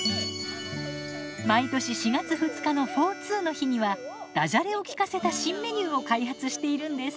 毎年４月２日のフォーツーの日にはダジャレをきかせた新メニューを開発しているんです。